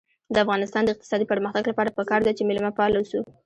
د افغانستان د اقتصادي پرمختګ لپاره پکار ده چې مېلمه پال اوسو.